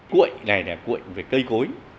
quệ này là quệ về cây cối